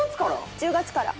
１０月から？